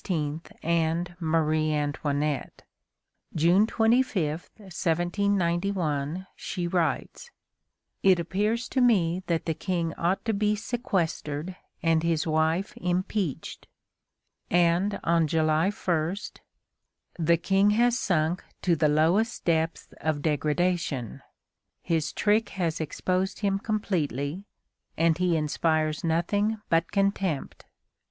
and Marie Antoinette. June 25, 1791, she writes: "It appears to me that the King ought to be sequestered and his wife impeached." And on July 1: "The King has sunk to the lowest depths of degradation; his trick has exposed him completely, and he inspires nothing but contempt.